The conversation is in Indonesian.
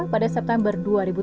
pada september dua ribu tiga